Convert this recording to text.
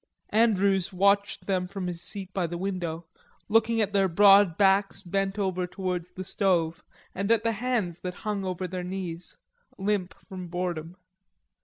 Andrews watched them from his seat by the window, looking at their broad backs bent over towards the stove and at the hands that hung over their knees, limp from boredom.